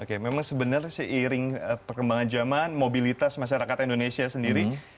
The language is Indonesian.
oke memang sebenarnya seiring perkembangan zaman mobilitas masyarakat indonesia sendiri